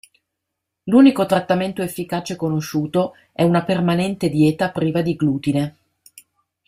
L'unico trattamento efficace conosciuto è una permanente dieta priva di glutine.